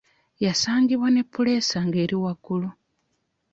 Yasangibwa ne puleesa ng'ali waggulu.